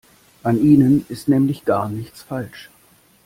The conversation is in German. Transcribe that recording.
An ihnen ist nämlich gar nichts falsch.